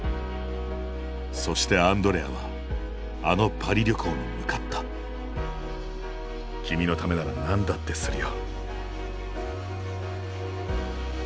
そしてアンドレアはあのパリ旅行に向かった君のためならなんだってするよ。